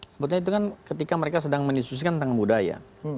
sebetulnya itu kan ketika mereka sedang mendiskusikan tentang budaya